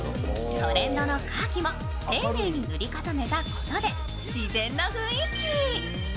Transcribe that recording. トレンドのカーキもていねいに塗り重ねたことが自然な雰囲気に。